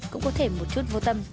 cũng có thể một chút vô tâm